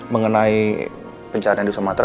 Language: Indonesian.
mengenai pencahayaan di sumatera